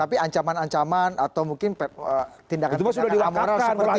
tapi ancaman ancaman atau mungkin tindakan tindakan amarah seperti itu